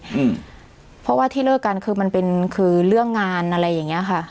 อืมเพราะว่าที่เลิกกันคือมันเป็นคือเรื่องงานอะไรอย่างเงี้ยค่ะ